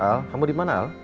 al kamu dimana al